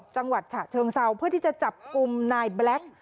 จังหวัดฉะเชิงเซาเพื่อที่จะจับกลุ่มนายแบล็ค